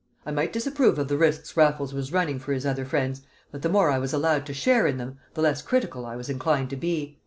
I might disapprove of the risks Raffles was running for his other friends, but the more I was allowed to share in them the less critical I was inclined to be.